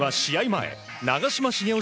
前長嶋茂雄